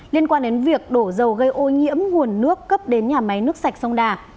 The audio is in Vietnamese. liên quan đến việc đổ dầu gây ô nhiễm nguồn nước cấp đến nhà máy nước sạch sông đà